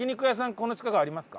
この近くありますか？